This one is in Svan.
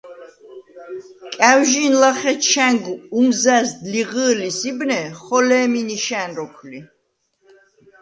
კა̈ვჟი̄ნ ლახე ჩა̈ნგ უმზა̈ზდ ლიღჷ̄ლის იბნე, ხოლე̄მი ნიშა̈ნ როქვ ლი.